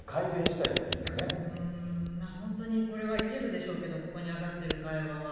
本当に、これは一部でしょうけれども、ここに上がってる会話は。